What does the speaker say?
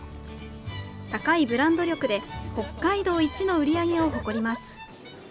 高いブランド力で北海道一の売り上げを誇ります。